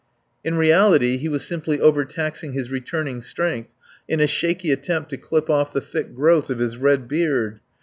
In reality he was simply overtaxing his returning strength in a shaky attempt to clip off the thick growth of his red beard.